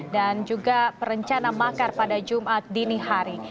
dan juga perencana makar pada jumat dini hari